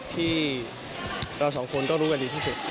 ที่เราสองคนก็รู้กันดีที่สุด